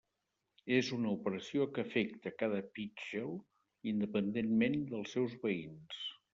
És una operació que afecta cada píxel, independentment dels seus veïns.